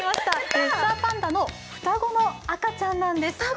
レッサーパンダの双子の赤ちゃんなんです。